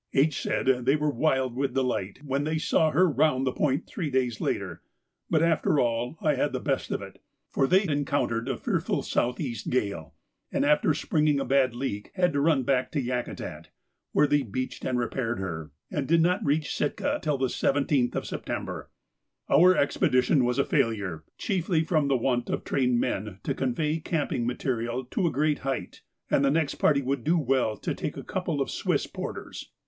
H. said they were wild with delight when they saw her round the point three days later, but after all, I had the best of it, for they encountered a fearful south east gale, and, after springing a bad leak, had to run back to Yakutat, where they beached and repaired her, and did not reach Sitka till the 17th of September. Our expedition was a failure, chiefly from the want of trained men to convey camping material to a great height, and the next party would do well to take a couple of Swiss porters.